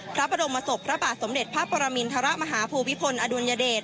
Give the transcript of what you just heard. พระบรมศพพระบาทสมเด็จพระปรมินทรมาฮภูมิพลอดุลยเดช